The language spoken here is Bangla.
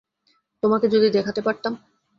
তোমাকে যদি দেখাতে পারতাম!